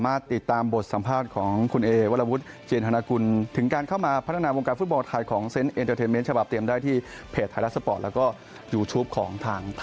ก็อันนี้แล้วแต่ผมถึงบอกว่ามันแล้วแต่มุมมอง